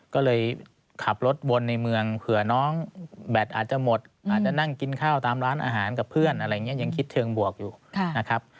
ก็เลยขับรถวนในเมืองเผื่อน้องแบตอาจจะหมดอาจจะนั่งกินข้าวตามร้านอาหารกับเพื่อนอะไรอย่างนี้ยังคิดเชิงบวกอยู่นะครับ